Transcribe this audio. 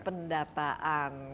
karena dan bagaimana bisa menggabungkan